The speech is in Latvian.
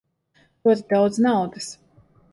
Ļoti daudz naudas.